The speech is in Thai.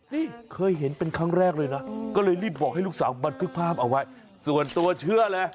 นี่เคยเห็นเป็นครั้งแรกเลยนะก็เลยรีบบอกให้ลูกสาวบันทึกภาพเอาไว้ส่วนตัวเชื่อเลย